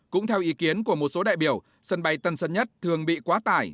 cũng theo ý kiến của một số đại biểu sân bay tân sơn nhất thường bị quá tải